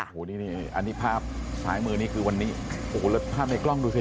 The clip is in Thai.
โหนี่อันนี้ภาพสายมือนี้คือวันนี้โหแล้วภาพในกล้องดูสิ